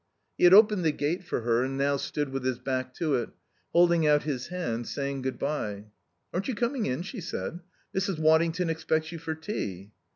He had opened the gate for her and now stood with his back to it, holding out his hand, saying "Good bye." "Aren't you coming in?" she said. "Mrs. Waddington expects you for tea."